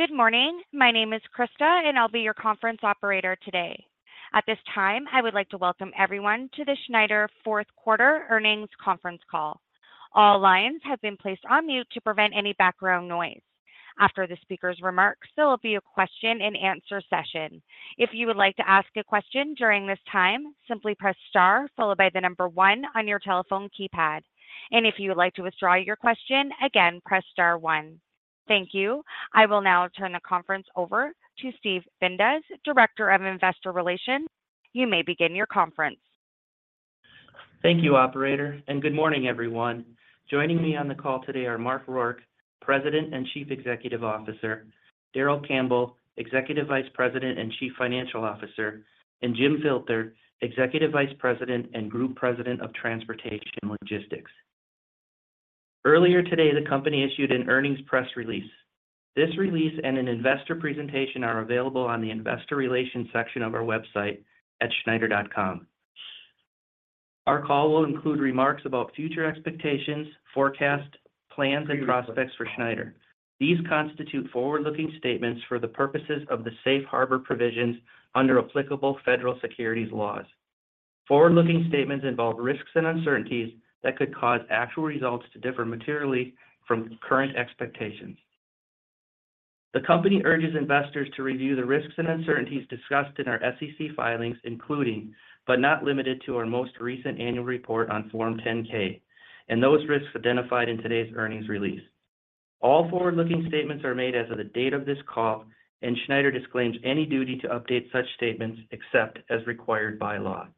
Good morning. My name is Krista, and I'll be your conference operator today. At this time, I would like to welcome everyone to the Schneider Fourth Quarter Earnings Conference Call. All lines have been placed on mute to prevent any background noise. After the speaker's remarks, there will be a question-and-answer session. If you would like to ask a question during this time, simply press star followed by the number one on your telephone keypad. If you would like to withdraw your question, again, press star one. Thank you. I will now turn the conference over to Steve Bindas, Director of Investor Relations. You may begin your conference. Thank you, operator, and good morning, everyone. Joining me on the call today are Mark Rourke, President and Chief Executive Officer, Darrell Campbell, Executive Vice President and Chief Financial Officer, and Jim Filter, Executive Vice President and Group President of Transportation Logistics. Earlier today, the company issued an earnings press release. This release and an investor presentation are available on the Investor Relations section of our website at schneider.com. Our call will include remarks about future expectations, forecasts, plans, and prospects for Schneider. These constitute forward-looking statements for the purposes of the safe harbor provisions under applicable federal securities laws. Forward-looking statements involve risks and uncertainties that could cause actual results to differ materially from current expectations. The company urges investors to review the risks and uncertainties discussed in our SEC filings, including, but not limited to, our most recent annual report on Form 10-K, and those risks identified in today's earnings release. All forward-looking statements are made as of the date of this call, and Schneider disclaims any duty to update such statements except as required by law.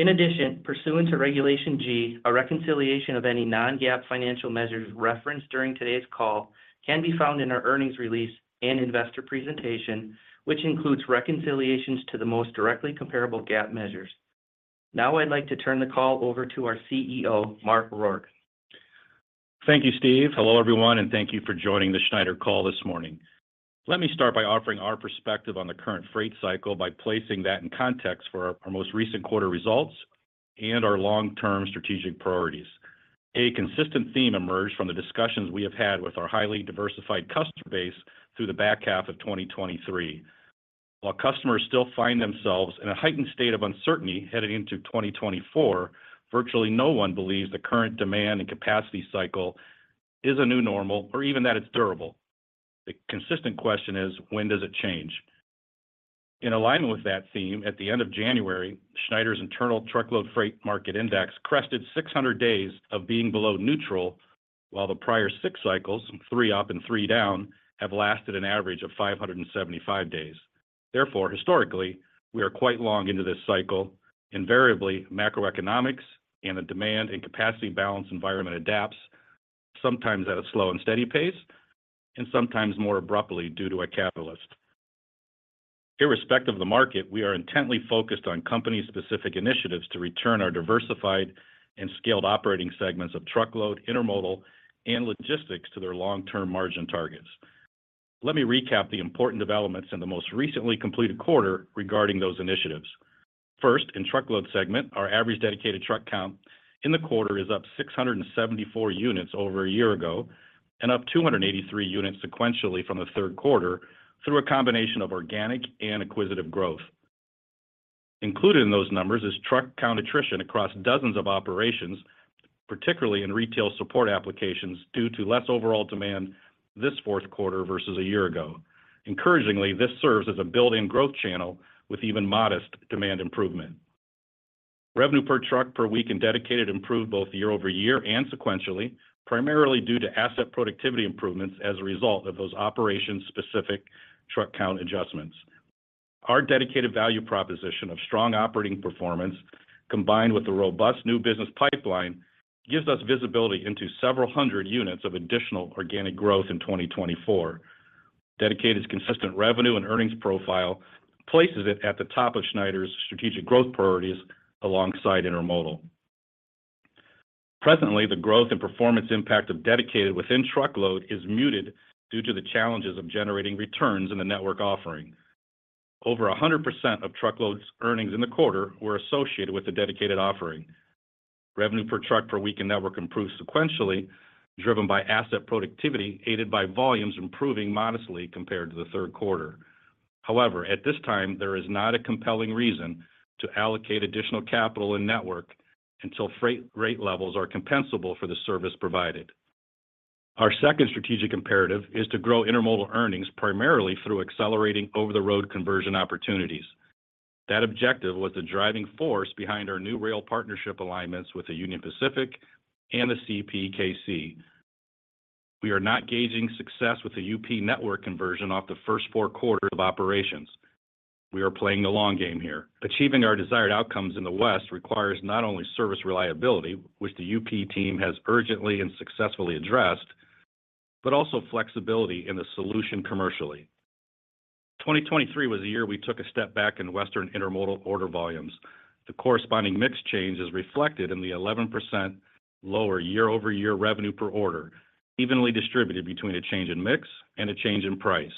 In addition, pursuant to Regulation G, a reconciliation of any non-GAAP financial measures referenced during today's call can be found in our earnings release and investor presentation, which includes reconciliations to the most directly comparable GAAP measures. Now, I'd like to turn the call over to our CEO, Mark Rourke. Thank you, Steve. Hello, everyone, and thank you for joining the Schneider call this morning. Let me start by offering our perspective on the current freight cycle by placing that in context for our most recent quarter results and our long-term strategic priorities. A consistent theme emerged from the discussions we have had with our highly diversified customer base through the back half of 2023. While customers still find themselves in a heightened state of uncertainty headed into 2024, virtually no one believes the current demand and capacity cycle is a new normal or even that it's durable. The consistent question is: when does it change? In alignment with that theme, at the end of January, Schneider's internal truckload freight market index crested 600 days of being below neutral, while the prior six cycles, three up and three down, have lasted an average of 575 days. Therefore, historically, we are quite long into this cycle. Invariably, macroeconomics and the demand and capacity balance environment adapts, sometimes at a slow and steady pace, and sometimes more abruptly due to a catalyst. Irrespective of the market, we are intently focused on company-specific initiatives to return our diversified and scaled operating segments of truckload, intermodal, and logistics to their long-term margin targets. Let me recap the important developments in the most recently completed quarter regarding those initiatives. First, in truckload segment, our average dedicated truck count in the quarter is up 674 units over a year ago and up 283 units sequentially from the third quarter through a combination of organic and acquisitive growth. Included in those numbers is truck count attrition across dozens of operations, particularly in retail support applications, due to less overall demand this fourth quarter versus a year ago. Encouragingly, this serves as a built-in growth channel with even modest demand improvement. Revenue per truck per week in Dedicated improved both year-over-year and sequentially, primarily due to asset productivity improvements as a result of those operation-specific truck count adjustments. Our Dedicated value proposition of strong operating performance, combined with a robust new business pipeline, gives us visibility into 700 units of additional organic growth in 2024. Dedicated, consistent revenue and earnings profile places it at the top of Schneider's strategic growth priorities alongside Intermodal. Presently, the growth and performance impact of Dedicated within truckload is muted due to the challenges of generating returns in the network offering. Over 100% of truckload's earnings in the quarter were associated with the Dedicated offering. Revenue per truck per week in Network improved sequentially, driven by asset productivity, aided by volumes improving modestly compared to the third quarter. However, at this time, there is not a compelling reason to allocate additional capital and network until freight rate levels are compensable for the service provided. Our second strategic imperative is to grow intermodal earnings, primarily through accelerating over-the-road conversion opportunities. That objective was the driving force behind our new rail partnership alignments with the Union Pacific and the CPKC. We are not gauging success with the UP network conversion off the first fourth quarter of operations. We are playing the long game here. Achieving our desired outcomes in the West requires not only service reliability, which the UP team has urgently and successfully addressed, but also flexibility in the solution commercially. 2023 was the year we took a step back in Western intermodal order volumes. The corresponding mix change is reflected in the 11% lower year-over-year revenue per order, evenly distributed between a change in mix and a change in price.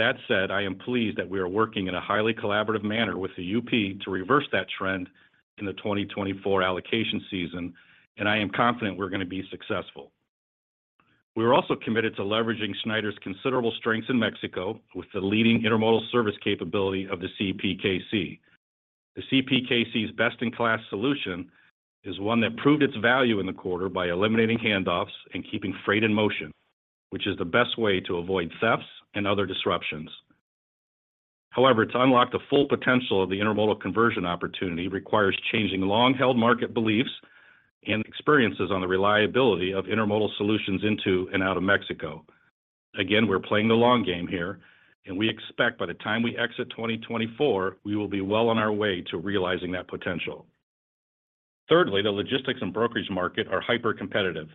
That said, I am pleased that we are working in a highly collaborative manner with the UP to reverse that trend in the 2024 allocation season, and I am confident we're gonna be successful. We are also committed to leveraging Schneider's considerable strengths in Mexico with the leading intermodal service capability of the CPKC. The CPKC's best-in-class solution is one that proved its value in the quarter by eliminating handoffs and keeping freight in motion, which is the best way to avoid thefts and other disruptions. However, to unlock the full potential of the intermodal conversion opportunity requires changing long-held market beliefs and experiences on the reliability of intermodal solutions into and out of Mexico. Again, we're playing the long game here, and we expect by the time we exit 2024, we will be well on our way to realizing that potential. Thirdly, the logistics and brokerage market are hyper-competitive,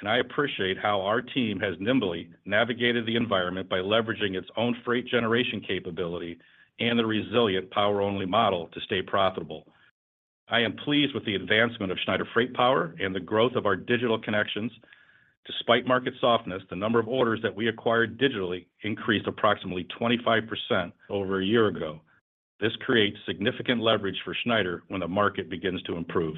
and I appreciate how our team has nimbly navigated the environment by leveraging its own freight generation capability and the resilient power-only model to stay profitable. I am pleased with the advancement of Schneider Freight Power and the growth of our digital connections. Despite market softness, the number of orders that we acquired digitally increased approximately 25% over a year ago. This creates significant leverage for Schneider when the market begins to improve.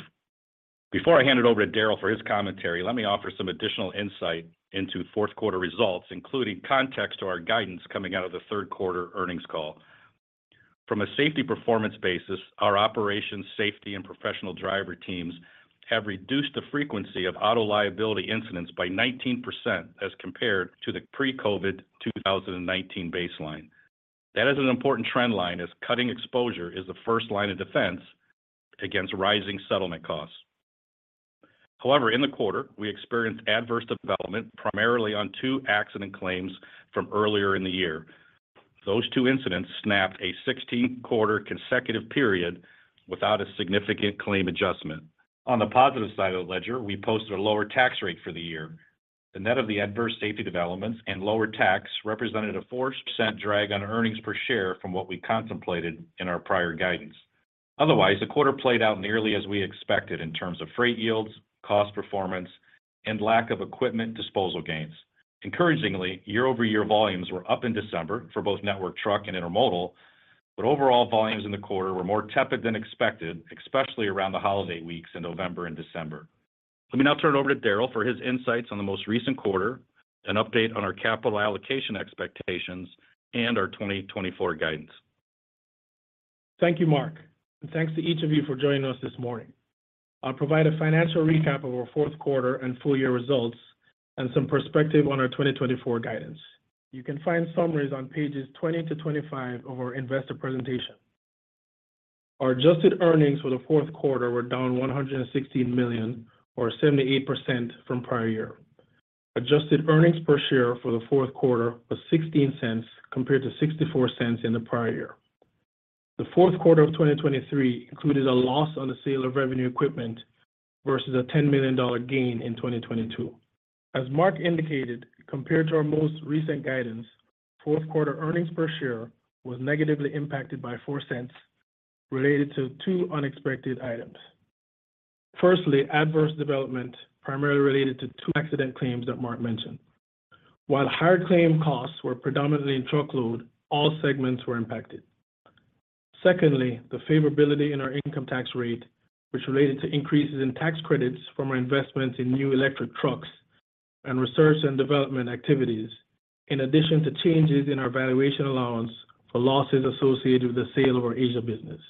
Before I hand it over to Darrell for his commentary, let me offer some additional insight into fourth quarter results, including context to our guidance coming out of the third quarter Earnings Call. From a safety performance basis, our operations, safety, and professional driver teams have reduced the frequency of auto liability incidents by 19% as compared to the pre-COVID-2019 baseline. That is an important trend line, as cutting exposure is the first line of defense against rising settlement costs. However, in the quarter, we experienced adverse development, primarily on two accident claims from earlier in the year. Those two incidents snapped a Q16 consecutive period without a significant claim adjustment. On the positive side of the ledger, we posted a lower tax rate for the year. The net of the adverse safety developments and lower tax represented a 4% drag on earnings per share from what we contemplated in our prior guidance. Otherwise, the quarter played out nearly as we expected in terms of freight yields, cost performance, and lack of equipment disposal gains. Encouragingly, year-over-year volumes were up in December for both network truck and intermodal, but overall volumes in the quarter were more tepid than expected, especially around the holiday weeks in November and December. Let me now turn it over to Darrell for his insights on the most recent quarter, an update on our capital allocation expectations, and our 2024 guidance. Thank you, Mark, and thanks to each of you for joining us this morning. I'll provide a financial recap of our fourth quarter and full year results and some perspective on our 2024 guidance. You can find summaries on pages 20 to 25 of our investor presentation. Our adjusted earnings for the fourth quarter were down $116 million, or 78% from prior year. Adjusted earnings per share for the fourth quarter was $0.16, compared to $0.64 in the prior year. The fourth quarter of 2023 included a loss on the sale of revenue equipment versus a $10 million gain in 2022. As Mark indicated, compared to our most recent guidance, fourth quarter earnings per share was negatively impacted by $0.04, related to two unexpected items. Firstly, adverse development, primarily related to two accident claims that Mark mentioned. While higher claim costs were predominantly in truckload, all segments were impacted. Secondly, the favorability in our income tax rate, which related to increases in tax credits from our investments in new electric trucks and research and development activities, in addition to changes in our valuation allowance for losses associated with the sale of our Asia business.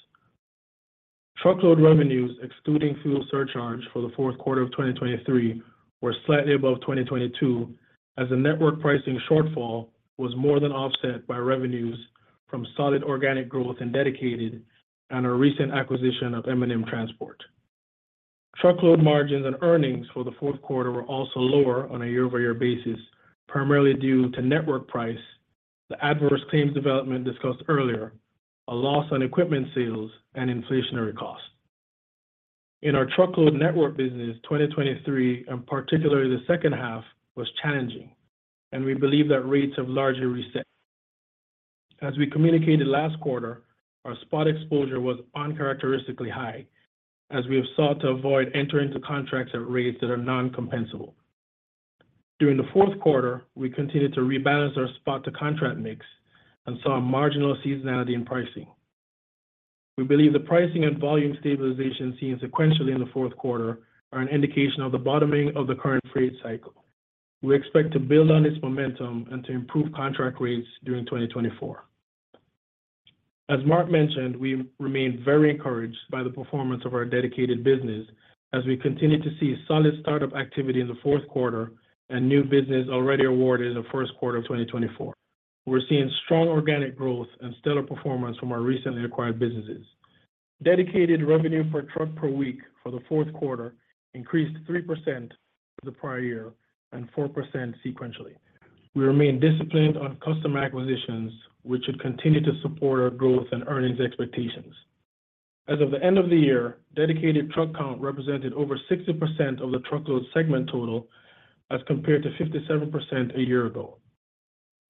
Truckload revenues, excluding fuel surcharge for the fourth quarter of 2023, were slightly above 2022, as the network pricing shortfall was more than offset by revenues from solid organic growth and dedicated, and our recent acquisition of M&M Transport. Truckload margins and earnings for the fourth quarter were also lower on a year-over-year basis, primarily due to network price, the adverse claims development discussed earlier, a loss on equipment sales, and inflationary costs. In our truckload network business, 2023, and particularly the second half, was challenging, and we believe that rates have largely reset. As we communicated last quarter, our spot exposure was uncharacteristically high, as we have sought to avoid entering into contracts at rates that are non-compensable. During the fourth quarter, we continued to rebalance our spot to contract mix and saw a marginal seasonality in pricing. We believe the pricing and volume stabilization seen sequentially in the fourth quarter are an indication of the bottoming of the current trade cycle. We expect to build on this momentum and to improve contract rates during 2024. As Mark mentioned, we remain very encouraged by the performance of our dedicated business as we continue to see solid startup activity in the fourth quarter and new business already awarded in the Q1 of 2024. We're seeing strong organic growth and stellar performance from our recently acquired businesses. Dedicated revenue per truck per week for the fourth quarter increased 3% the prior year and 4% sequentially. We remain disciplined on customer acquisitions, which should continue to support our growth and earnings expectations. As of the end of the year, dedicated truck count represented over 60% of the truckload segment total, as compared to 57% a year ago.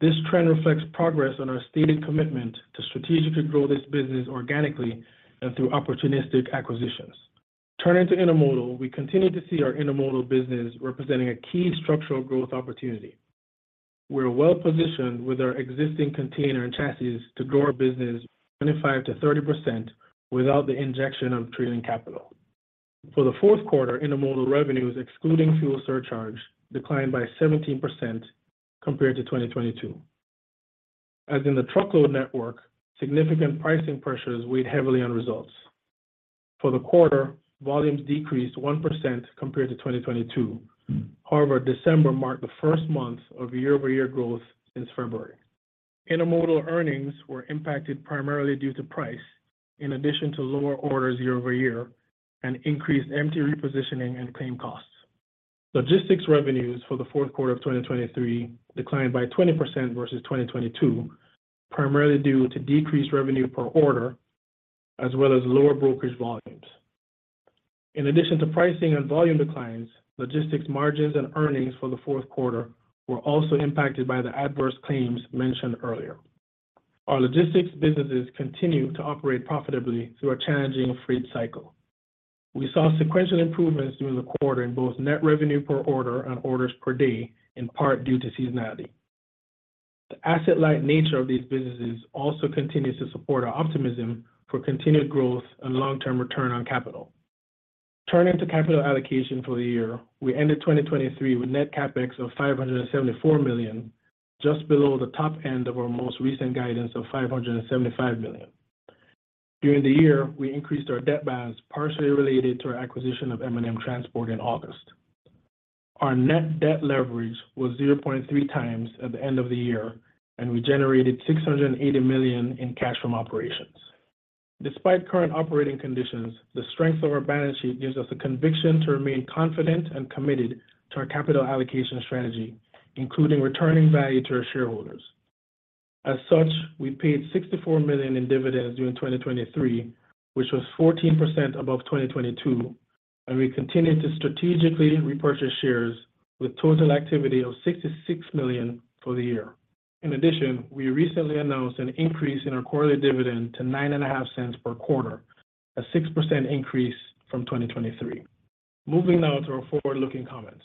This trend reflects progress on our stated commitment to strategically grow this business organically and through opportunistic acquisitions.... Turning to intermodal, we continue to see our intermodal business representing a key structural growth opportunity. We're well-positioned with our existing container and chassis to grow our business 25%-30% without the injection of trailing capital. For the fourth quarter, intermodal revenues, excluding fuel surcharge, declined by 17% compared to 2022. As in the truckload network, significant pricing pressures weighed heavily on results. For the quarter, volumes decreased 1% compared to 2022. However, December marked the first month of year-over-year growth since February. Intermodal earnings were impacted primarily due to price, in addition to lower orders year-over-year and increased empty repositioning and claim costs. Logistics revenues for the fourth quarter of 2023 declined by 20% versus 2022, primarily due to decreased revenue per order, as well as lower brokerage volumes. In addition to pricing and volume declines, logistics margins and earnings for the fourth quarter were also impacted by the adverse claims mentioned earlier. Our logistics businesses continue to operate profitably through a challenging freight cycle. We saw sequential improvements during the quarter in both net revenue per order and orders per day, in part due to seasonality. The asset-light nature of these businesses also continues to support our optimism for continued growth and long-term return on capital. Turning to capital allocation for the year, we ended 2023 with Net CapEx of $574 million, just below the top end of our most recent guidance of $575 million. During the year, we increased our debt balance, partially related to our acquisition of M&M Transport in August. Our net debt leverage was 0.3x at the end of the year, and we generated $680 million in cash from operations. Despite current operating conditions, the strength of our balance sheet gives us the conviction to remain confident and committed to our capital allocation strategy, including returning value to our shareholders. As such, we paid $64 million in dividends during 2023, which was 14% above 2022, and we continued to strategically repurchase shares with total activity of $66 million for the year. In addition, we recently announced an increase in our quarterly dividend to $0.095 per quarter, a 6% increase from 2023. Moving now to our forward-looking comments.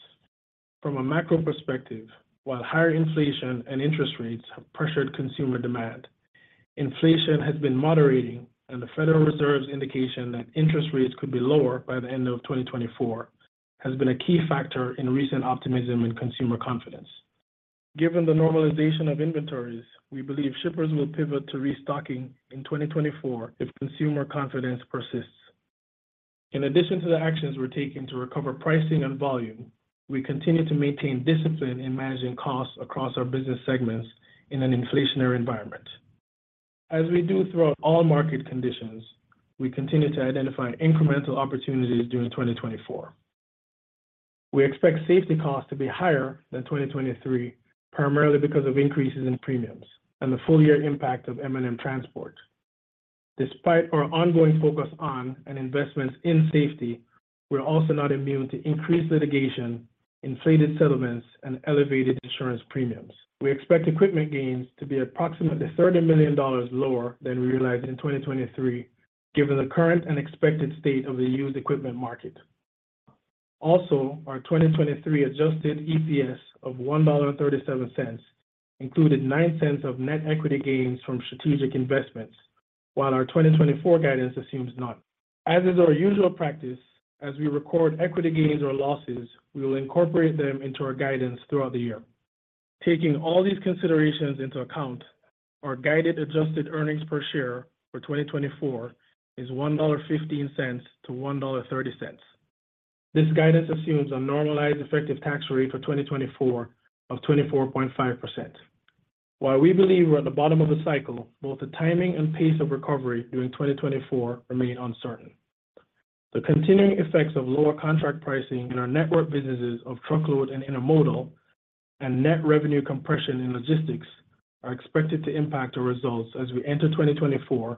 From a macro perspective, while higher inflation and interest rates have pressured consumer demand, inflation has been moderating, and the Federal Reserve's indication that interest rates could be lower by the end of 2024 has been a key factor in recent optimism and consumer confidence. Given the normalization of inventories, we believe shippers will pivot to restocking in 2024 if consumer confidence persists. In addition to the actions we're taking to recover pricing and volume, we continue to maintain discipline in managing costs across our business segments in an inflationary environment. As we do throughout all market conditions, we continue to identify incremental opportunities during 2024. We expect safety costs to be higher than 2023, primarily because of increases in premiums and the full year impact of M&M Transport. Despite our ongoing focus on and investments in safety, we're also not immune to increased litigation, inflated settlements, and elevated insurance premiums. We expect equipment gains to be approximately $30 million lower than we realized in 2023, given the current and expected state of the used equipment market. Also, our 2023 adjusted EPS of $1.37 included $0.09 of net equity gains from strategic investments, while our 2024 guidance assumes none. As is our usual practice, as we record equity gains or losses, we will incorporate them into our guidance throughout the year. Taking all these considerations into account, our guided adjusted earnings per share for 2024 is $1.15-$1.30. This guidance assumes a normalized effective tax rate for 2024 of 24.5%. While we believe we're at the bottom of a cycle, both the timing and pace of recovery during 2024 remain uncertain. The continuing effects of lower contract pricing in our network businesses of truckload and intermodal, and net revenue compression in logistics are expected to impact our results as we enter 2024,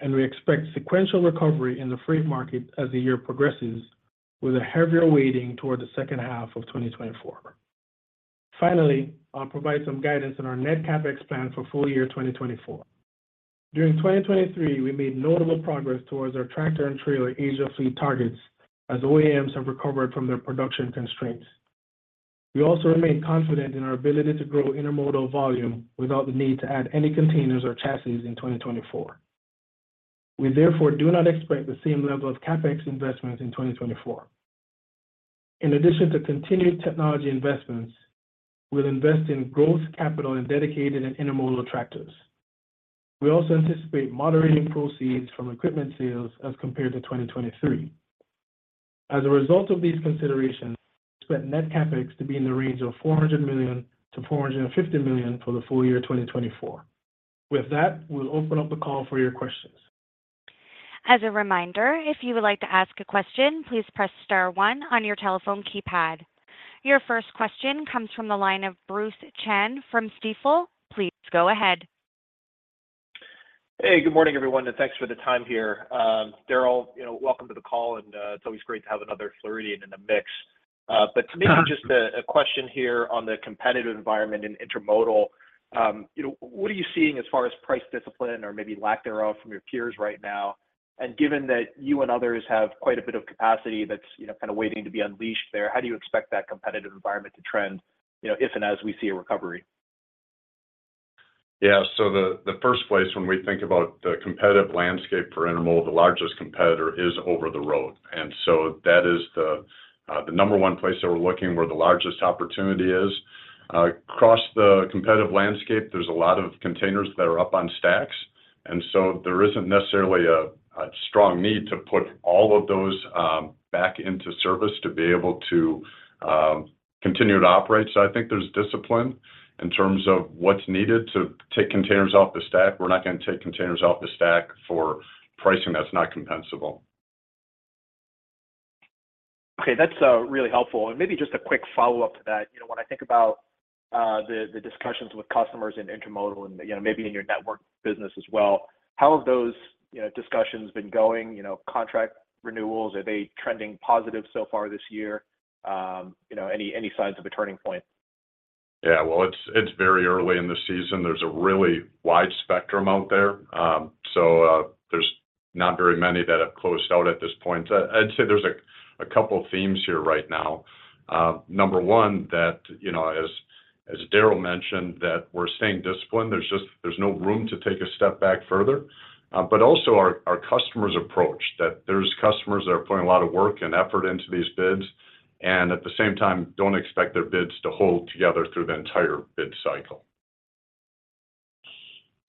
and we expect sequential recovery in the freight market as the year progresses, with a heavier weighting toward the second half of 2024. Finally, I'll provide some guidance on our net CapEx plan for full year 2024. During 2023, we made notable progress towards our tractor and trailer age of fleet targets as OEMs have recovered from their production constraints. We also remain confident in our ability to grow intermodal volume without the need to add any containers or chassis in 2024. We, therefore, do not expect the same level of CapEx investments in 2024. In addition to continued technology investments, we'll invest in growth capital in dedicated and intermodal tractors. We also anticipate moderating proceeds from equipment sales as compared to 2023. As a result of these considerations, we expect net CapEx to be in the range of $400 million-$450 million for the full year 2024. With that, we'll open up the call for your questions. As a reminder, if you would like to ask a question, please press star one on your telephone keypad. Your first question comes from the line of Bruce Chan from Stifel. Please go ahead. Hey, good morning, everyone, and thanks for the time here. Darrell, you know, welcome to the call, and it's always great to have another Floridian in the mix. But to maybe just a question here on the competitive environment in intermodal. You know, what are you seeing as far as price discipline or maybe lack thereof from your peers right now? And given that you and others have quite a bit of capacity that's, you know, kinda waiting to be unleashed there, how do you expect that competitive environment to trend, you know, if and as we see a recovery? Yeah. So the first place, when we think about the competitive landscape for Intermodal, the largest competitor is over the road. And so that is the number one place that we're looking, where the largest opportunity is. Across the competitive landscape, there's a lot of containers that are up on stacks, and so there isn't necessarily a strong need to put all of those back into service to be able to continue to operate. So I think there's discipline in terms of what's needed to take containers off the stack. We're not gonna take containers off the stack for pricing that's not compensable. Okay, that's really helpful. And maybe just a quick follow-up to that. You know, when I think about the discussions with customers in intermodal and, you know, maybe in your network business as well, how have those discussions been going? You know, contract renewals, are they trending positive so far this year? You know, any signs of a turning point? Yeah, well, it's very early in the season. There's a really wide spectrum out there. So, there's not very many that have closed out at this point. I'd say there's a couple of themes here right now. Number one, that, you know, as Darrell mentioned, that we're staying disciplined. There's just no room to take a step back further. But also our customers' approach, that there's customers that are putting a lot of work and effort into these bids, and at the same time, don't expect their bids to hold together through the entire bid cycle.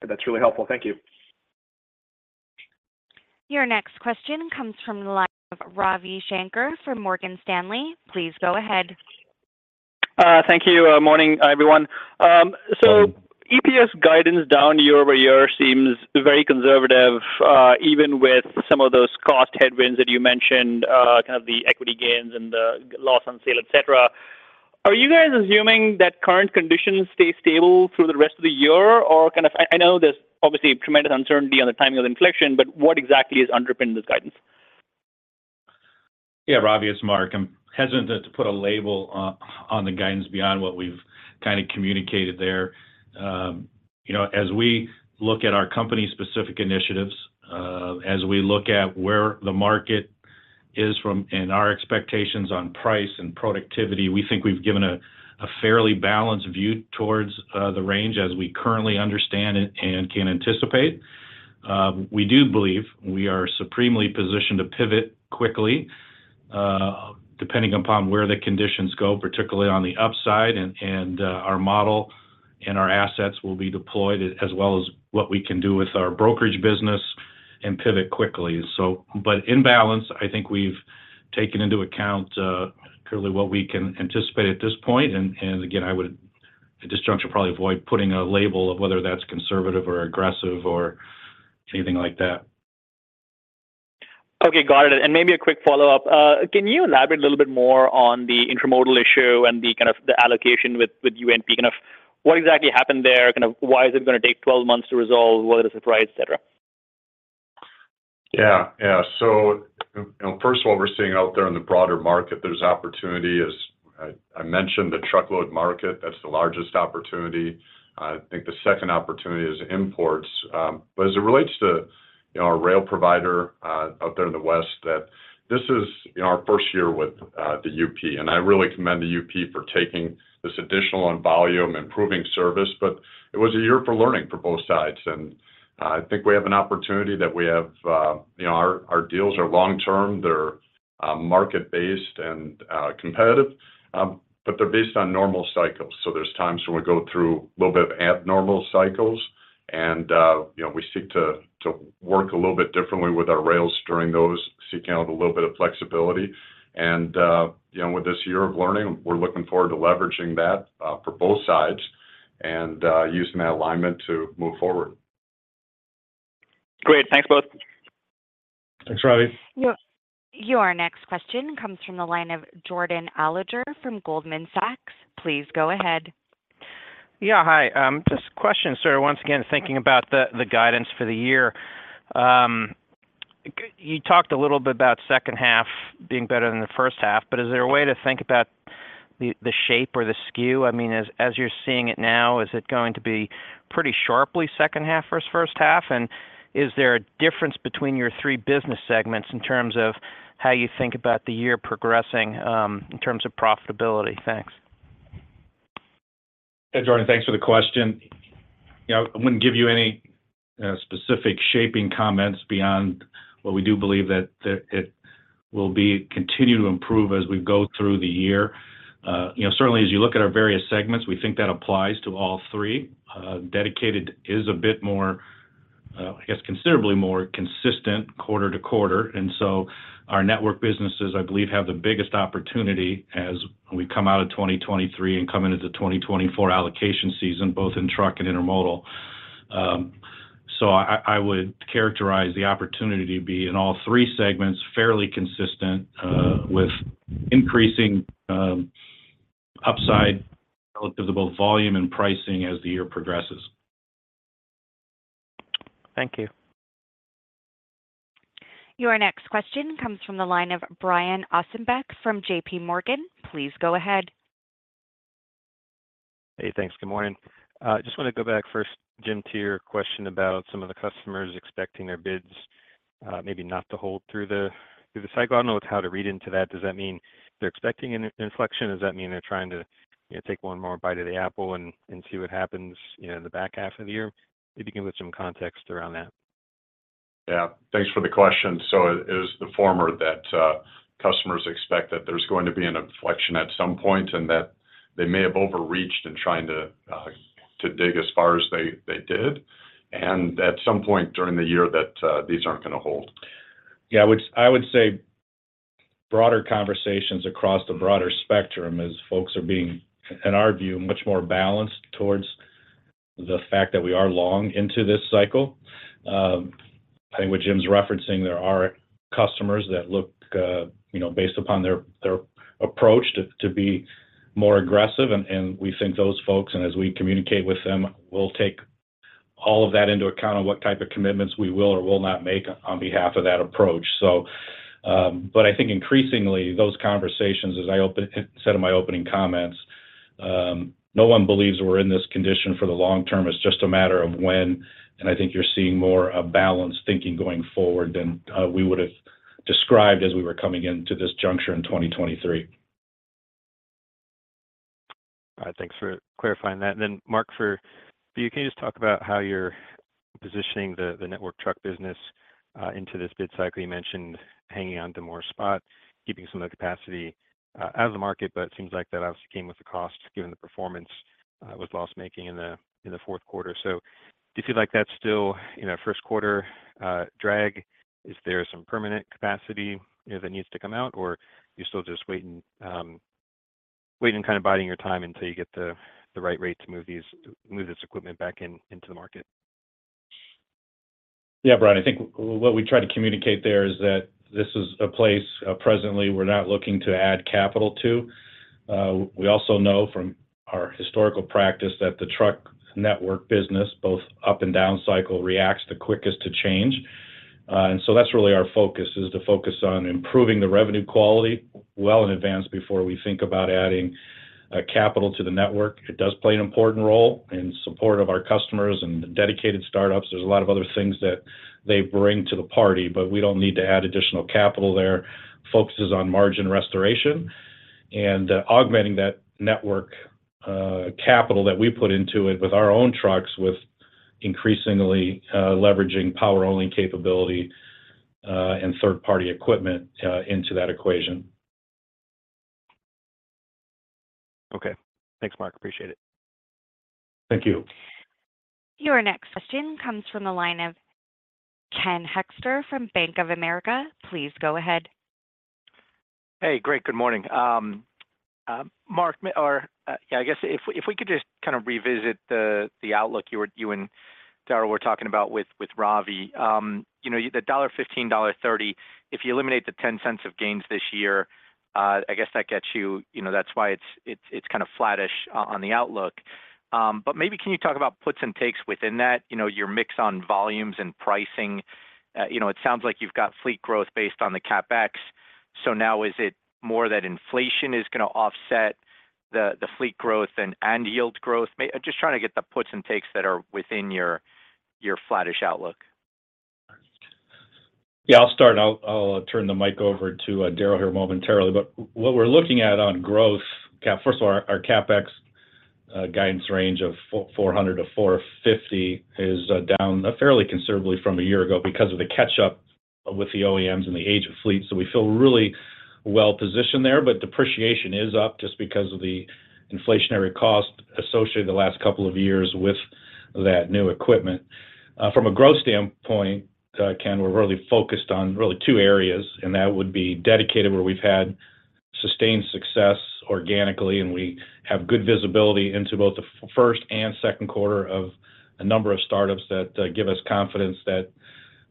That's really helpful. Thank you. Your next question comes from the line of Ravi Shanker from Morgan Stanley. Please go ahead. Thank you. Morning, everyone. Good morning EPS guidance down year-over-year seems very conservative, even with some of those cost headwinds that you mentioned, kind of the equity gains and the loss on sale, et cetera. Are you guys assuming that current conditions stay stable through the rest of the year, or kind of...? I know there's obviously tremendous uncertainty on the timing of inflection, but what exactly is underpinning this guidance? Yeah, Ravi, it's Mark. I'm hesitant to put a label on the guidance beyond what we've kinda communicated there. You know, as we look at our company-specific initiatives, as we look at where the market is from, and our expectations on price and productivity, we think we've given a fairly balanced view towards the range as we currently understand it and can anticipate. We do believe we are supremely positioned to pivot quickly, depending upon where the conditions go, particularly on the upside, and our model and our assets will be deployed, as well as what we can do with our brokerage business and pivot quickly. So, but in balance, I think we've taken into account clearly what we can anticipate at this point. And again, I would, at this juncture, probably avoid putting a label of whether that's conservative or aggressive or anything like that. Okay, got it. And maybe a quick follow-up. Can you elaborate a little bit more on the intermodal issue and the, kind of, the allocation with, with UNP? Kind of what exactly happened there, kind of why is it gonna take 12 months to resolve, what are the surprise, et cetera? Yeah, yeah. So, first of all, we're seeing out there in the broader market, there's opportunity. As I mentioned, the truckload market, that's the largest opportunity. I think the second opportunity is imports. But as it relates to, you know, our rail provider out there in the West, that this is, you know, our first year with the UP. And I really commend the UP for taking this additional on volume, improving service, but it was a year for learning for both sides. And I think we have an opportunity that we have... You know, our deals are long term. They're market-based and competitive, but they're based on normal cycles. So there's times when we go through a little bit of abnormal cycles and, you know, we seek to work a little bit differently with our rails during those, seeking out a little bit of flexibility. And, you know, with this year of learning, we're looking forward to leveraging that, for both sides and, using that alignment to move forward. Great. Thanks, both. Thanks, Ravi. Your next question comes from the line of Jordan Alliger from Goldman Sachs. Please go ahead. Yeah, hi. Just a question, sir. Once again, thinking about the guidance for the year. You talked a little bit about second half being better than the first half, but is there a way to think about the shape or the skew? I mean, as you're seeing it now, is it going to be pretty sharply second half versus first half? And is there a difference between your three business segments in terms of how you think about the year progressing, in terms of profitability? Thanks. Hey, Jordan. Thanks for the question. You know, I wouldn't give you any specific shaping comments beyond what we do believe that it will be continue to improve as we go through the year. You know, certainly, as you look at our various segments, we think that applies to all three. Dedicated is a bit more, I guess, considerably more consistent quarter to quarter, and so our Network businesses, I believe, have the biggest opportunity as we come out of 2023 and come into the 2024 allocation season, both in truck and Intermodal. So I would characterize the opportunity to be in all three segments, fairly consistent, with increasing upside relative to both volume and pricing as the year progresses.... Thank you. Your next question comes from the line of Brian Ossenbeck from J.P. Morgan. Please go ahead. Hey, thanks. Good morning. Just want to go back first, Jim, to your question about some of the customers expecting their bids, maybe not to hold through the cycle. I don't know how to read into that. Does that mean they're expecting an inflection? Does that mean they're trying to, you know, take one more bite of the apple and see what happens, you know, in the back half of the year? Maybe you can give some context around that. Yeah. Thanks for the question. So it is the former that customers expect that there's going to be an inflection at some point, and that they may have overreached in trying to dig as far as they did, and at some point during the year that these aren't going to hold. Yeah, I would say broader conversations across the broader spectrum as folks are being, in our view, much more balanced towards the fact that we are long into this cycle. I think what Jim's referencing, there are customers that look, you know, based upon their, their approach to be more aggressive. And we think those folks, and as we communicate with them, will take all of that into account on what type of commitments we will or will not make on behalf of that approach. So, but I think increasingly, those conversations, as I said in my opening comments, no one believes we're in this condition for the long term. It's just a matter of when, and I think you're seeing more of balanced thinking going forward than we would have described as we were coming into this juncture in 2023. All right, thanks for clarifying that. And then, Mark, for you, can you just talk about how you're positioning the network truck business into this bid cycle? You mentioned hanging on to more spot, keeping some of the capacity out of the market, but it seems like that obviously came with a cost, given the performance with loss making in the fourth quarter. So do you feel like that's still, you know, first quarter drag? Is there some permanent capacity, you know, that needs to come out, or you still just waiting, kind of, biding your time until you get the right rate to move this equipment back in, into the market? Yeah, Brian, I think what we tried to communicate there is that this is a place, presently we're not looking to add capital to. We also know from our historical practice that the truck network business, both up and down cycle, reacts the quickest to change. And so that's really our focus, is to focus on improving the revenue quality well in advance before we think about adding, capital to the network. It does play an important role in support of our customers and dedicated startups. There's a lot of other things that they bring to the party, but we don't need to add additional capital there. Focus is on margin restoration and, augmenting that network, capital that we put into it with our own trucks, with increasingly, leveraging power-only capability, and third-party equipment, into that equation. Okay. Thanks, Mark. Appreciate it. Thank you. Your next question comes from the line of Ken Hoexter from Bank of America. Please go ahead. Hey, great. Good morning. Mark, yeah, I guess if we could just kind of revisit the outlook you and Darrell were talking about with Ravi. You know, the $1.15, $1.30, if you eliminate the $0.10 of gains this year, I guess that gets you you know, that's why it's kind of flattish on the outlook. But maybe can you talk about puts and takes within that, you know, your mix on volumes and pricing? You know, it sounds like you've got fleet growth based on the CapEx. So now is it more that inflation is going to offset the fleet growth and yield growth? Maybe just trying to get the puts and takes that are within your flattish outlook. Yeah, I'll start, and I'll turn the mic over to Darrell here momentarily. But what we're looking at on growth CapEx. First of all, our CapEx guidance range of $400-$450 is down fairly considerably from a year ago because of the catch-up with the OEMs and the age of fleet. So we feel really well positioned there, but depreciation is up just because of the inflationary cost associated with the last couple of years with that new equipment. From a growth standpoint, Ken, we're really focused on really two areas, and that would be dedicated, where we've had sustained success organically, and we have good visibility into both the first and second quarter of a number of startups that give us confidence that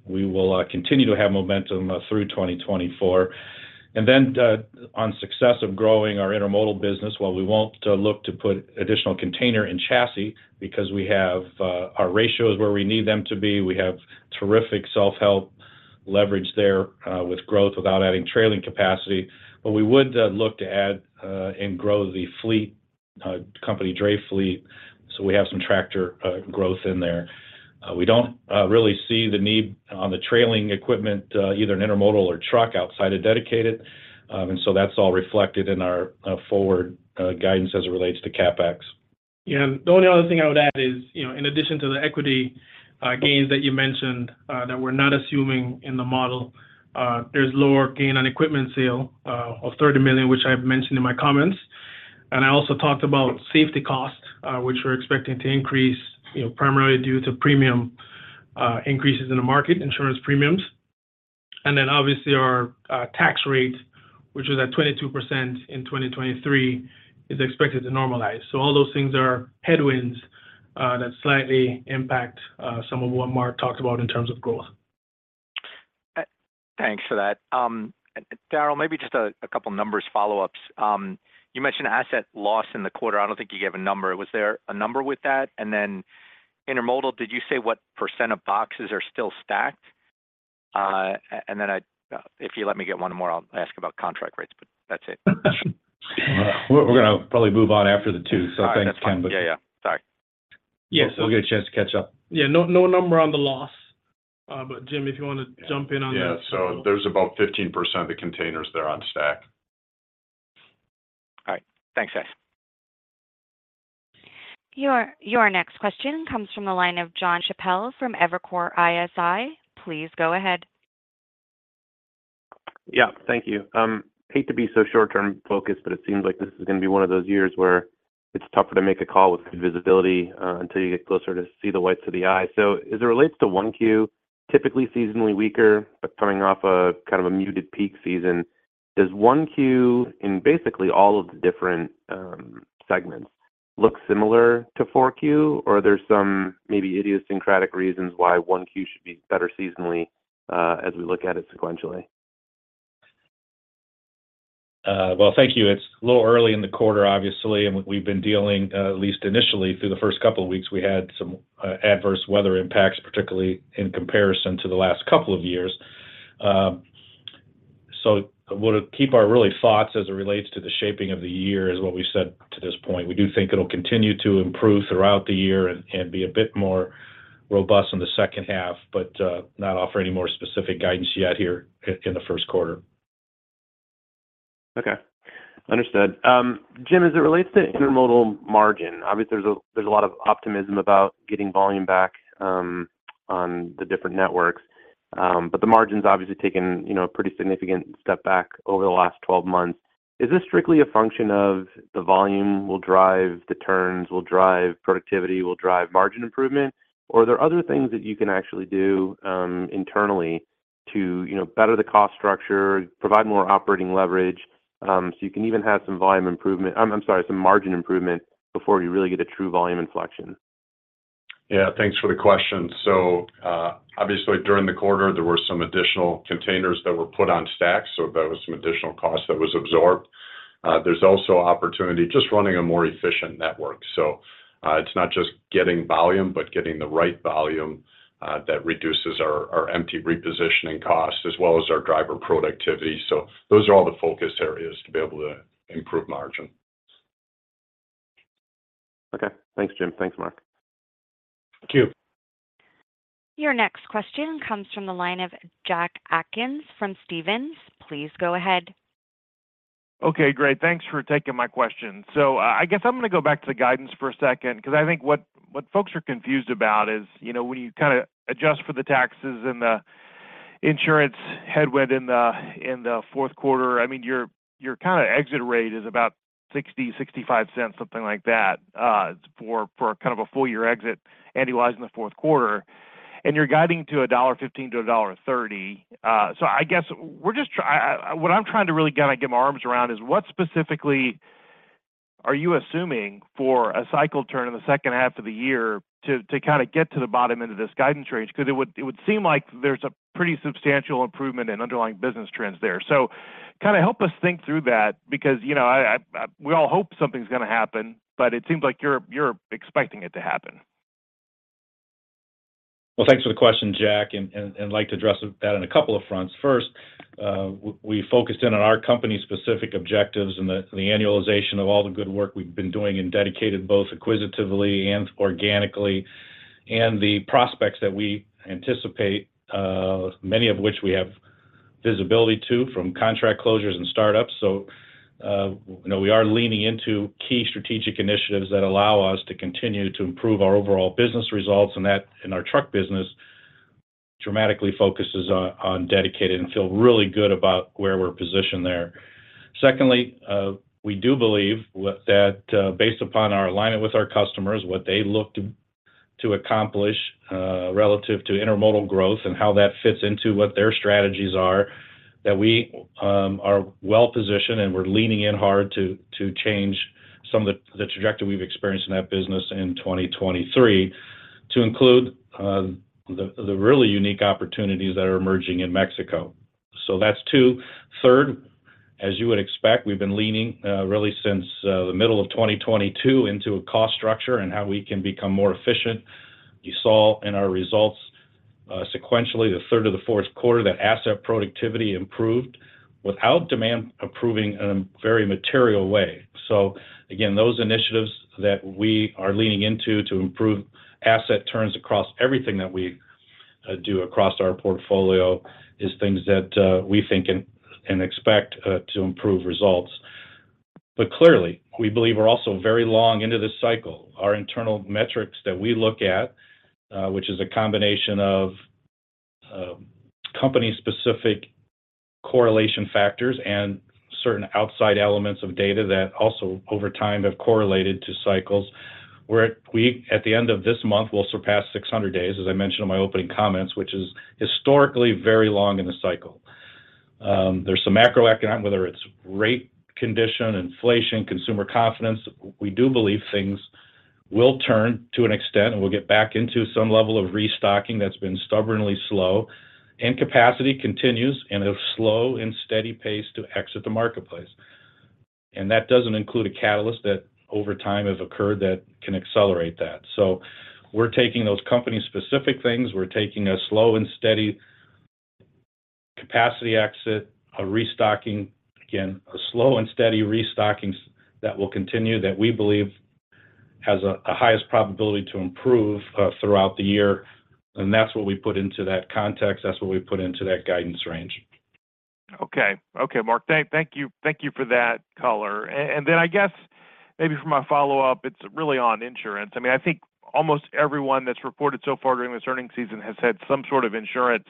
we will continue to have momentum through 2024. And then, on success of growing our intermodal business, while we won't look to put additional container in chassis because we have our ratios where we need them to be, we have terrific self-help leverage there with growth without adding trailing capacity. But we would look to add and grow the fleet, company Dray Fleet, so we have some tractor growth in there. We don't really see the need on the trailing equipment either in intermodal or truck outside of dedicated. And so that's all reflected in our forward guidance as it relates to CapEx. Yeah. The only other thing I would add is, you know, in addition to the equity gains that you mentioned, that we're not assuming in the model, there's lower gain on equipment sale of $30 million, which I've mentioned in my comments. And I also talked about safety costs, which we're expecting to increase, you know, primarily due to premium increases in the market insurance premiums. And then obviously our tax rate, which was at 22% in 2023, is expected to normalize. So all those things are headwinds that slightly impact some of what Mark talked about in terms of growth. Thanks for that. Darrell, maybe just a couple numbers follow-ups. You mentioned asset loss in the quarter. I don't think you gave a number. Was there a number with that? And then intermodal, did you say what percent of boxes are still stacked? And then I, if you let me get one more, I'll ask about contract rates, but that's it. We're gonna probably move on after the two, so thanks, Ken. All right. That's fine. Yeah, yeah. Sorry. Yes, we'll get a chance to catch up. Yeah, no, no number on the loss. But Jim, if you want to jump in on that. Yeah, so there's about 15% of the containers that are on stack. All right. Thanks, guys. Your next question comes from the line of John Chappell from Evercore ISI. Please go ahead. Yeah, thank you. Hate to be so short-term focused, but it seems like this is going to be one of those years where it's tougher to make a call with good visibility until you get closer to see the whites of the eye. So as it relates to Q1, typically seasonally weaker, but coming off a kind of a muted peak season, does one Q, in basically all of the different segments, look similar to fourth quarter, or are there some maybe idiosyncratic reasons whyQ1 should be better seasonally as we look at it sequentially? Well, thank you. It's a little early in the quarter, obviously, and we've been dealing, at least initially through the first couple of weeks, we had some adverse weather impacts, particularly in comparison to the last couple of years. So we'll keep our real thoughts as it relates to the shaping of the year, as what we've said to this point. We do think it'll continue to improve throughout the year and be a bit more robust in the second half, but not offer any more specific guidance yet here in the first quarter. Okay. Understood. Jim, as it relates to intermodal margin, obviously, there's a lot of optimism about getting volume back on the different networks, but the margin's obviously taken a pretty significant step back over the last 12 months. Is this strictly a function of the volume will drive the turns, will drive productivity, will drive margin improvement, or are there other things that you can actually do internally, to, you know, better the cost structure, provide more operating leverage, so you can even have some volume improvement... I'm sorry, some margin improvement before you really get a true volume inflection? Yeah, thanks for the question. So, obviously, during the quarter, there were some additional containers that were put on stacks, so that was some additional cost that was absorbed. There's also opportunity, just running a more efficient network. So, it's not just getting volume, but getting the right volume, that reduces our, our empty repositioning costs as well as our driver productivity. So those are all the focus areas to be able to improve margin. Okay. Thanks, Jim. Thanks, Mark. Thank you. Your next question comes from the line of Jack Atkins, from Stephens. Please go ahead. Okay, great. Thanks for taking my question. So, I guess I'm going to go back to the guidance for a second, because I think what folks are confused about is, you know, when you kind of adjust for the taxes and the insurance headwind in the fourth quarter, I mean, your exit rate is about $0.60-$0.65, something like that, for kind of a full year exit, annualize in the fourth quarter, and you're guiding to $1.15-$1.30. So I guess what I'm trying to really get, like, my arms around is what specifically are you assuming for a cycle turn in the second half of the year to kind of get to the bottom end of this guidance range? Because it would seem like there's a pretty substantial improvement in underlying business trends there. So help us think through that, because, you know, I, we all hope something's going to happen, but it seems like you're expecting it to happen. Well, thanks for the question, Jack, and I'd like to address that on a couple of fronts. First, we focused in on our company-specific objectives and the annualization of all the good work we've been doing in Dedicated, both acquisitively and organically, and the prospects that we anticipate, many of which we have visibility to, from contract closures and startups. So, you know, we are leaning into key strategic initiatives that allow us to continue to improve our overall business results, and that, in our truck business, dramatically focuses on Dedicated, and feel really good about where we're positioned there. Secondly, we do believe that, based upon our alignment with our customers, what they look to accomplish, relative to Intermodal growth and how that fits into what their strategies are, that we are well-positioned, and we're leaning in hard to change some of the trajectory we've experienced in that business in 2023, to include the really unique opportunities that are emerging in Mexico. So that's two. Third, as you would expect, we've been leaning really since the middle of 2022 into a cost structure and how we can become more efficient. You saw in our results, sequentially, the third to the fourth quarter, that asset productivity improved without demand improving in a very material way. So again, those initiatives that we are leaning into to improve asset turns across everything that we do across our portfolio, is things that we think and expect to improve results. But clearly, we believe we're also very long into this cycle. Our internal metrics that we look at, which is a combination of company-specific correlation factors and certain outside elements of data that also over time have correlated to cycles, where we, at the end of this month, will surpass 600 days, as I mentioned in my opening comments, which is historically very long in the cycle. There's some macroeconomics, whether it's rate condition, inflation, consumer confidence. We do believe things-... will turn to an extent, and we'll get back into some level of restocking that's been stubbornly slow, and capacity continues in a slow and steady pace to exit the marketplace. That doesn't include a catalyst that over time has occurred that can accelerate that. So we're taking those company-specific things. We're taking a slow and steady capacity exit, a restocking, again, a slow and steady restocking that will continue, that we believe has the highest probability to improve throughout the year, and that's what we put into that context. That's what we put into that guidance range. Okay. Okay, Mark, thank you for that color. And then I guess maybe for my follow-up, it's really on insurance. I mean, I think almost everyone that's reported so far during this earnings season has had some sort of insurance,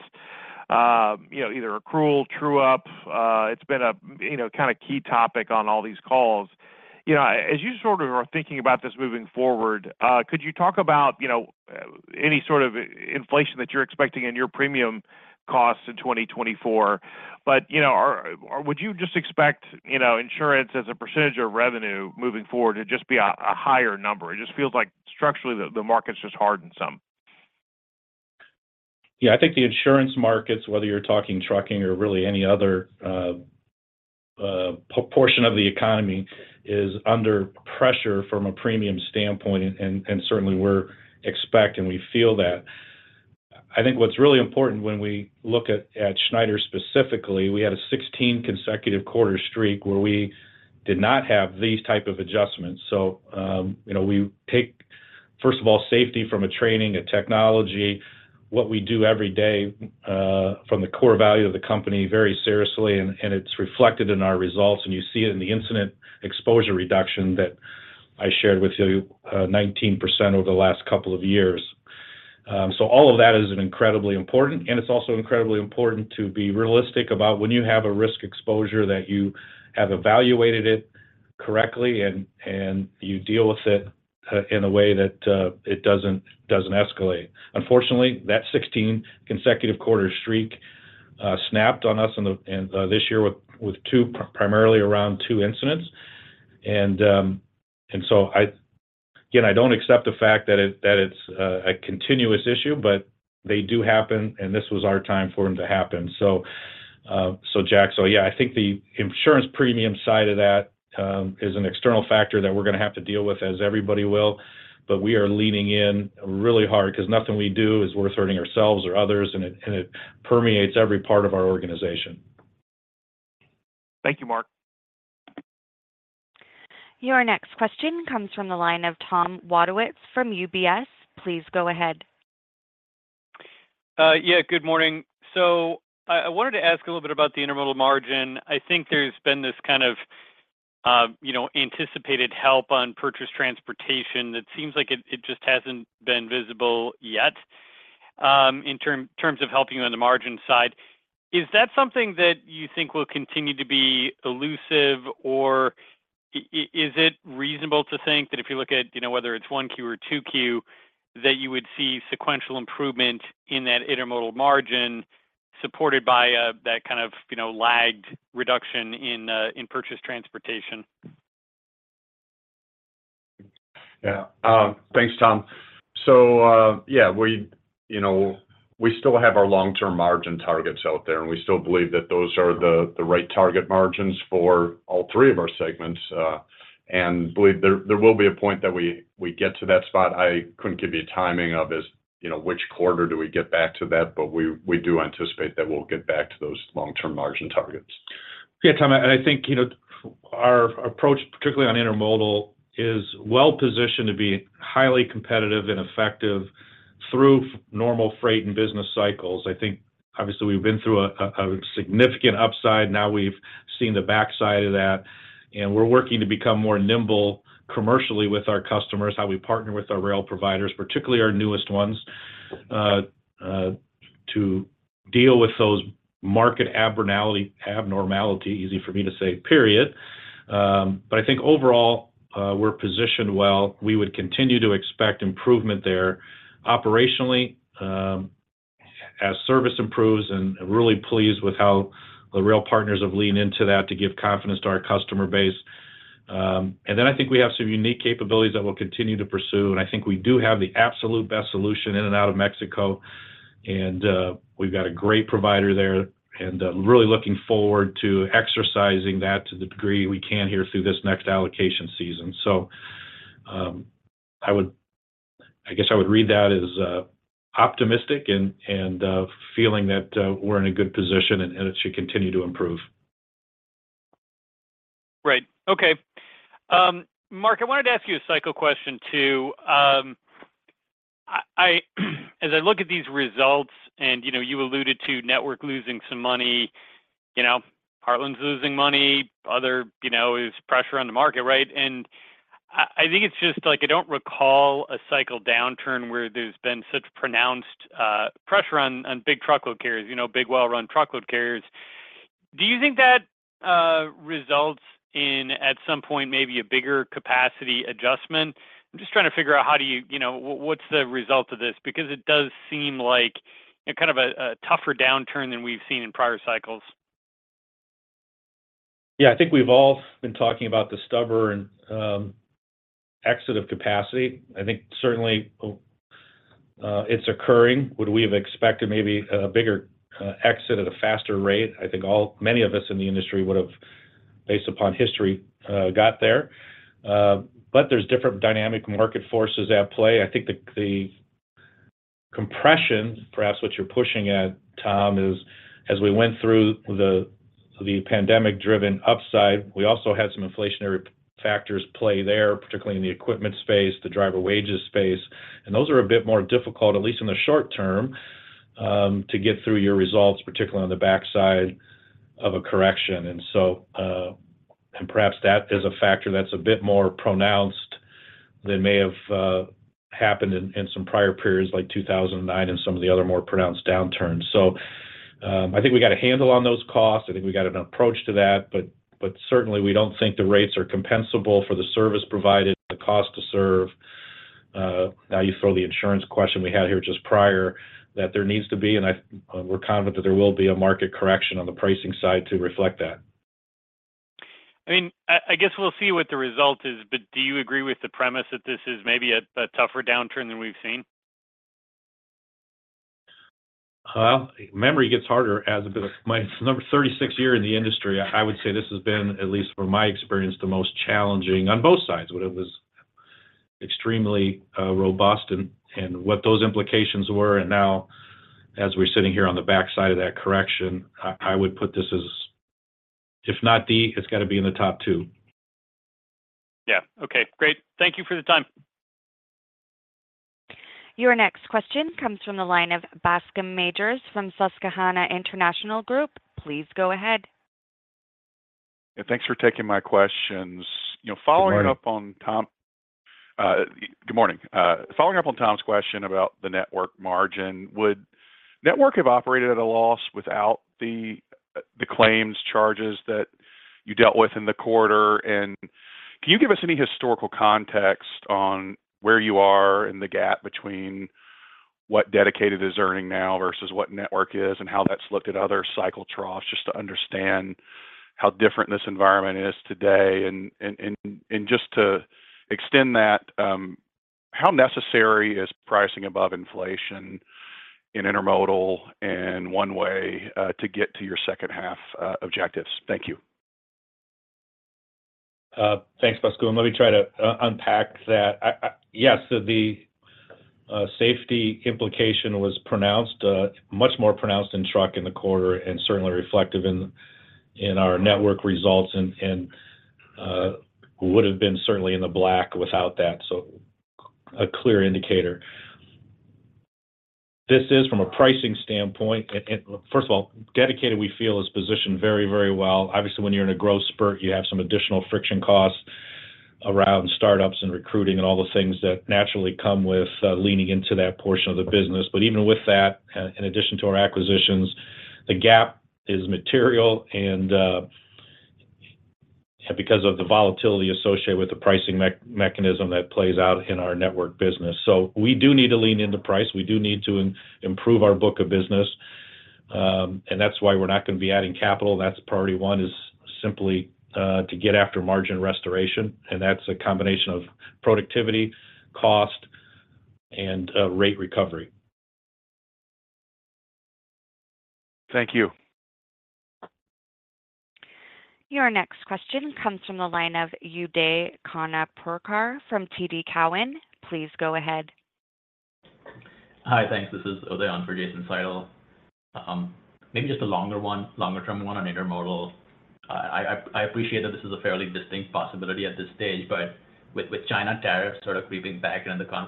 you know, either accrual, true up, it's been a, you know, kind of key topic on all these calls. You know, as you sort of are thinking about this moving forward, could you talk about, you know, any sort of inflation that you're expecting in your premium costs in 2024? But, you know, or would you just expect, you know, insurance as a percentage of revenue moving forward to just be a higher number? It just feels like structurally, the market's just hard in some. Yeah, I think the insurance markets, whether you're talking trucking or really any other portion of the economy, is under pressure from a premium standpoint, and certainly we're expect, and we feel that. I think what's really important when we look at Schneider specifically, we had a 16 consecutive quarter streak where we did not have these type of adjustments. So, you know, we take, first of all, safety from a training, a technology, what we do every day, from the core value of the company, very seriously, and it's reflected in our results, and you see it in the incident exposure reduction that I shared with you, 19% over the last couple of years. So all of that is incredibly important, and it's also incredibly important to be realistic about when you have a risk exposure, that you have evaluated it correctly, and you deal with it in a way that it doesn't escalate. Unfortunately, that 16 consecutive quarter streak snapped on us in this year primarily around two incidents. So again, I don't accept the fact that it's a continuous issue, but they do happen, and this was our time for them to happen. So Jack, yeah, I think the insurance premium side of that is an external factor that we're going to have to deal with, as everybody will. But we are leaning in really hard because nothing we do is worth hurting ourselves or others, and it, and it permeates every part of our organization. Thank you, Mark. Your next question comes from the line of Tom Wadewitz from UBS. Please go ahead. Yeah, good morning. So I wanted to ask a little bit about the intermodal margin. I think there's been this kind of, you know, anticipated help on purchase transportation. That seems like it just hasn't been visible yet, in terms of helping you on the margin side. Is that something that you think will continue to be elusive, or is it reasonable to think that if you look at, you know, whether it's 1Q or 2Q, that you would see sequential improvement in that intermodal margin, supported by, that kind of, you know, lagged reduction in purchase transportation? Yeah. Thanks, Tom. So, yeah, we, you know, we still have our long-term margin targets out there, and we still believe that those are the right target margins for all three of our segments. And believe there will be a point that we get to that spot. I couldn't give you a timing of as, you know, which quarter do we get back to that, but we do anticipate that we'll get back to those long-term margin targets. Yeah, Tom, and I think, you know, our approach, particularly on intermodal, is well positioned to be highly competitive and effective through normal freight and business cycles. I think obviously we've been through a significant upside. Now, we've seen the backside of that, and we're working to become more nimble commercially with our customers, how we partner with our rail providers, particularly our newest ones, to deal with those market abnormality, abnormality, easy for me to say, period. But I think overall, we're positioned well. We would continue to expect improvement there operationally, as service improves, and really pleased with how the rail partners have leaned into that to give confidence to our customer base. And then I think we have some unique capabilities that we'll continue to pursue, and I think we do have the absolute best solution in and out of Mexico, and we've got a great provider there, and really looking forward to exercising that to the degree we can here through this next allocation season. So, I guess I would read that as optimistic and feeling that we're in a good position and it should continue to improve. Right. Okay. Mark, I wanted to ask you a cycle question too. I, as I look at these results, and, you know, you alluded to Network losing some money, you know, Heartland's losing money, other, you know, is pressure on the market, right? And I, I think it's just like, I don't recall a cycle downturn where there's been such pronounced, pressure on, on big truckload carriers, you know, big, well-run truckload carriers. Do you think that, results in, at some point, maybe a bigger capacity adjustment? I'm just trying to figure out how do you... You know, what's the result of this? Because it does seem like a kind of a, a tougher downturn than we've seen in prior cycles. Yeah, I think we've all been talking about the stubborn exit of capacity. I think certainly it's occurring. Would we have expected maybe a bigger exit at a faster rate? I think all, many of us in the industry would have, based upon history got there. But there's different dynamic market forces at play. I think the compression, perhaps what you're pushing at, Tom, is as we went through the pandemic-driven upside, we also had some inflationary factors play there, particularly in the equipment space, the driver wages space, and those are a bit more difficult, at least in the short term, to get through your results, particularly on the backside of a correction. And so, and perhaps that is a factor that's a bit more pronounced than may have happened in some prior periods, like 2009 and some of the other more pronounced downturns. So, I think we got a handle on those costs. I think we got an approach to that, but certainly we don't think the rates are compensable for the service provided, the cost to serve. Now, you throw the insurance question we had here just prior, that there needs to be, and I we're confident that there will be a market correction on the pricing side to reflect that. I mean, I guess we'll see what the result is, but do you agree with the premise that this is maybe a tougher downturn than we've seen? Well, memory gets harder as it... My 36 year in the industry, I would say this has been, at least from my experience, the most challenging on both sides. When it was extremely robust and what those implications were, and now as we're sitting here on the backside of that correction, I would put this as, if not the, it's got to be in the top two. Yeah. Okay, great. Thank you for the time. Your next question comes from the line of Bascome Majors from Susquehanna International Group. Please go ahead. Yeah, thanks for taking my questions. You know- Good morning. Following up on Tom. Good morning. Following up on Tom's question about the network margin, would network have operated at a loss without the claims charges that you dealt with in the quarter? And can you give us any historical context on where you are in the gap between what dedicated is earning now versus what network is, and how that's looked at other cycle troughs, just to understand how different this environment is today? And just to extend that, how necessary is pricing above inflation in intermodal and one-way to get to your second half objectives? Thank you. Thanks, Bhaskaran. Let me try to unpack that. Yes, so the safety implication was pronounced, much more pronounced in truck in the quarter and certainly reflective in our network results, and would have been certainly in the black without that. So a clear indicator. This is from a pricing standpoint, and first of all, dedicated, we feel is positioned very, very well. Obviously, when you're in a growth spurt, you have some additional friction costs around startups and recruiting and all the things that naturally come with leaning into that portion of the business. But even with that, in addition to our acquisitions, the gap is material, and because of the volatility associated with the pricing mechanism that plays out in our network business. So we do need to lean in the price. We do need to improve our book of business, and that's why we're not going to be adding capital. That's priority one, is simply to get after margin restoration, and that's a combination of productivity, cost, and rate recovery. Thank you. Your next question comes from the line of Uday Khanapurkar from TD Cowen. Please go ahead. Hi. Thanks. This is Uday in for Jason Seidel. Maybe just a longer one, longer-term one on intermodal. I appreciate that this is a fairly distinct possibility at this stage, but with China tariffs sort of creeping back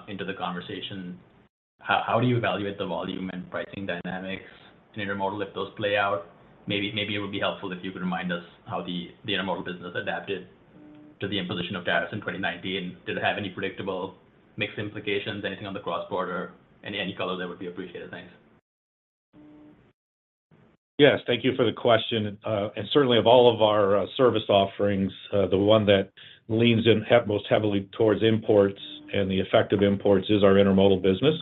into the conversation, how do you evaluate the volume and pricing dynamics in intermodal if those play out? Maybe it would be helpful if you could remind us how the intermodal business adapted to the imposition of tariffs in 2019. Did it have any predictable mix implications, anything on the cross-border? Any color there would be appreciated. Thanks. Yes, thank you for the question. And certainly of all of our service offerings, the one that leans in most heavily towards imports and the effect of imports is our Intermodal business.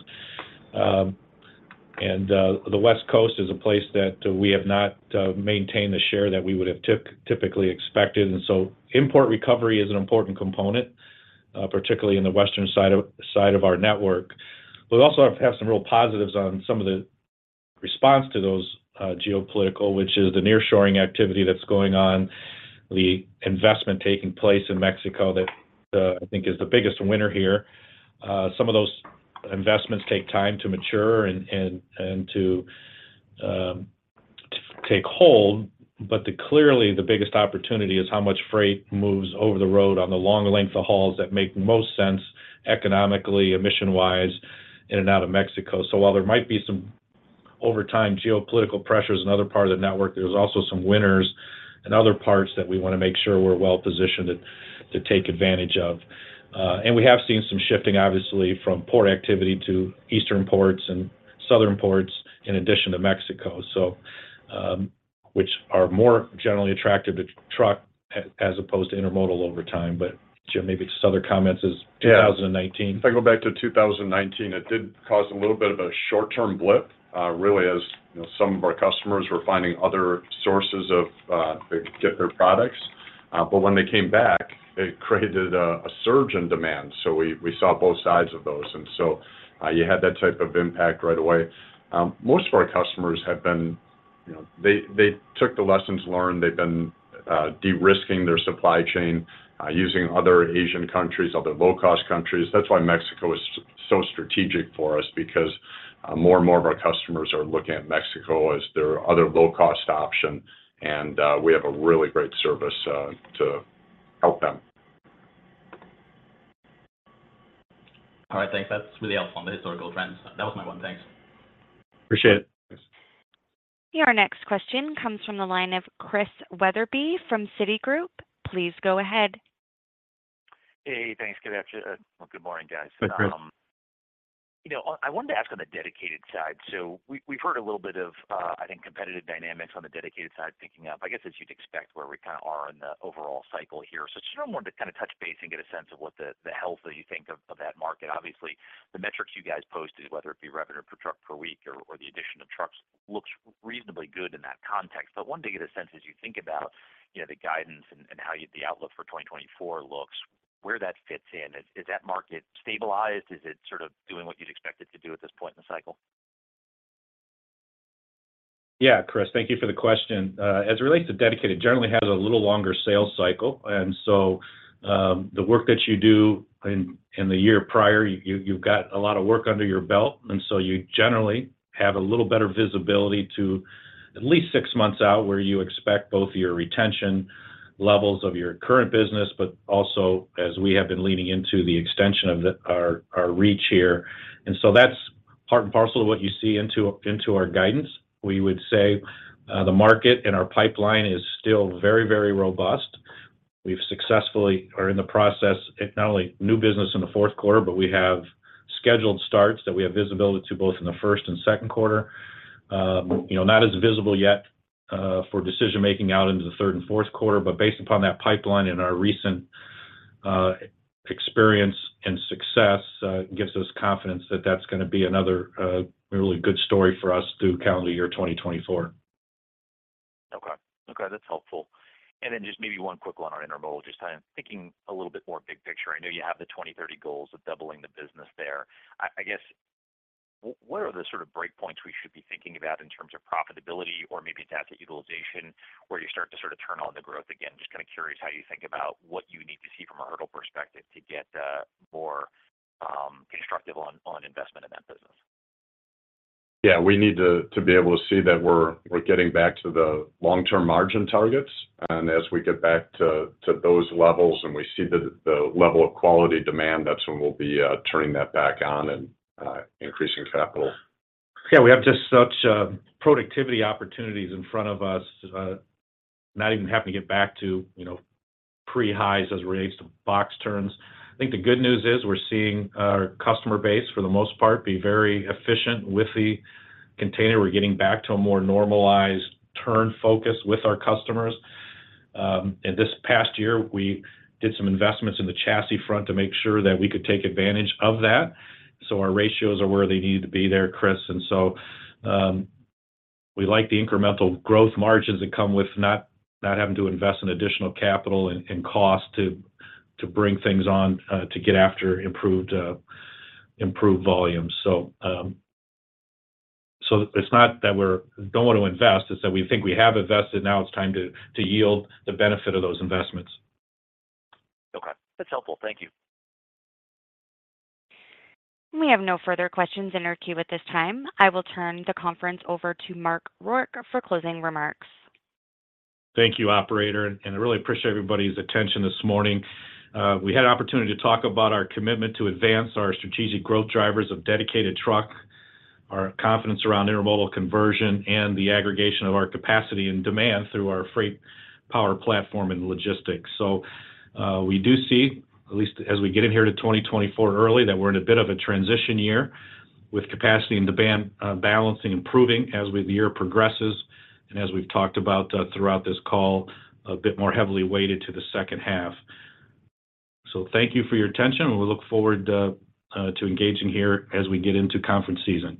And the West Coast is a place that we have not maintained the share that we would have typically expected, and so import recovery is an important component, particularly in the western side of our network. We also have some real positives on some of the response to those geopolitical, which is the nearshoring activity that's going on, the investment taking place in Mexico that I think is the biggest winner here. Some of those investments take time to mature and to take hold, but clearly, the biggest opportunity is how much freight moves over the road on the long length of hauls that make most sense economically and mission-wise in and out of Mexico. So while there might be some over time geopolitical pressures in other parts of the network, there's also some winners and other parts that we want to make sure we're well positioned to take advantage of. And we have seen some shifting, obviously, from port activity to eastern ports and southern ports, in addition to Mexico, so which are more generally attractive to truck as opposed to intermodal over time. But, Jim, maybe just other comments as- Yeah 2019. If I go back to 2019, it did cause a little bit of a short-term blip, really, as you know, some of our customers were finding other sources of to get their products. but when they came back, it created a surge in demand. So we saw both sides of those. And so, you had that type of impact right away. Most of our customers have been, you know, they took the lessons learned. They've been de-risking their supply chain, using other Asian countries, other low-cost countries. That's why Mexico is so strategic for us, because more and more of our customers are looking at Mexico as their other low-cost option, and we have a really great service to help them. All right, thanks. That's really helpful on the historical trends. That was my one. Thanks. Appreciate it. Your next question comes from the line of Chris Wetherbee from Citigroup. Please go ahead. Hey, thanks. Well, good morning, guys. Hi, Chris. You know, I wanted to ask on the dedicated side. So we've heard a little bit of, I think, competitive dynamics on the dedicated side picking up. I guess, as you'd expect, where we kinda are in the overall cycle here. So just wanted to kinda touch base and get a sense of what the health that you think of of that market. Obviously, the metrics you guys post, whether it be revenue per truck per week or the addition of trucks, looks reasonably good in that context. But I wanted to get a sense, as you think about, you know, the guidance and how the outlook for 2024 looks, where that fits in. Is that market stabilized? Is it sort of doing what you'd expect it to do at this point in the cycle? Yeah, Chris, thank you for the question. As it relates to Dedicated, generally has a little longer sales cycle, and so, the work that you do in the year prior, you've got a lot of work under your belt, and so you generally have a little better visibility to at least six months out, where you expect both your retention levels of your current business, but also as we have been leaning into the extension of our reach here. And so that's part and parcel of what you see into our guidance. We would say, the market and our pipeline is still very, very robust. We've successfully are in the process, it not only new business in the fourth quarter, but we have scheduled starts that we have visibility to, both in the first and second quarter. You know, not as visible yet for decision-making out into the third and fourth quarter, but based upon that pipeline and our recent experience and success gives us confidence that that's gonna be another really good story for us through calendar year 2024. Okay. Okay, that's helpful. And then just maybe one quick one on intermodal. Just kind of thinking a little bit more big picture. I know you have the 2030 goals of doubling the business there. I guess, what are the sort of breakpoints we should be thinking about in terms of profitability or maybe it's asset utilization, where you start to sort of turn on the growth again? Just kind of curious how you think about what you need to see from a hurdle perspective to get more constructive on investment in that business. Yeah. We need to, to be able to see that we're, we're getting back to the long-term margin targets. And as we get back to, to those levels and we see the, the level of quality demand, that's when we'll be turning that back on and increasing capital. Yeah, we have just such productivity opportunities in front of us, not even having to get back to, you know, pre-highs as it relates to box turns. I think the good news is, we're seeing our customer base, for the most part, be very efficient with the container. We're getting back to a more normalized turn focus with our customers. And this past year, we did some investments in the chassis front to make sure that we could take advantage of that. So our ratios are where they need to be there, Chris. And so, we like the incremental growth margins that come with not having to invest in additional capital and cost to bring things on to get after improved volumes. So, it's not that we're don't want to invest, it's that we think we have invested, now it's time to yield the benefit of those investments. Okay. That's helpful. Thank you. We have no further questions in our queue at this time. I will turn the conference over to Mark Rourke for closing remarks. Thank you, operator, and I really appreciate everybody's attention this morning. We had an opportunity to talk about our commitment to advance our strategic growth drivers of dedicated truck, our confidence around intermodal conversion, and the aggregation of our capacity and demand through our FreightPower platform and logistics. So, we do see, at least as we get in here to 2024 early, that we're in a bit of a transition year with capacity and demand, balancing, improving as with the year progresses, and as we've talked about, throughout this call, a bit more heavily weighted to the second half. So thank you for your attention, and we look forward to engaging here as we get into conference season.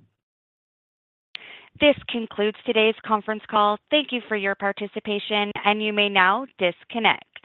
This concludes today's conference call. Thank you for your participation, and you may now disconnect.